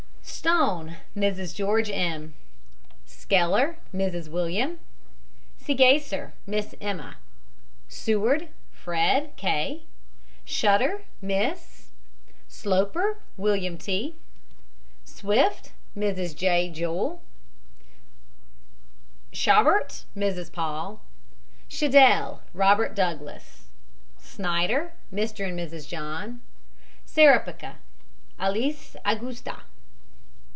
STONE, MRS. GEORGE M. SKELLER, MRS. WILLIAM. SEGESSER, MISS EMMA. SEWARD, FRED. K. SHUTTER, MISS. SLOPER, WILLIAM T. SWIFT, MRS. F. JOEL. SCHABERT, MRS. PAUL. SHEDDEL, ROBERT DOUGLASS. SNYDER, MR. AND MRS. JOHN. SEREPECA, ALISS AUGHSTA.